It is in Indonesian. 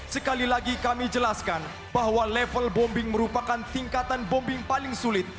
sekali lagi kami jelaskan bahwa level bombing merupakan tingkatan bombing paling sulit